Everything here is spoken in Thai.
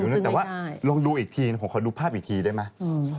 แต่ว่าลองดูอีกทีผมขอดูภาพอีกทีได้ไหม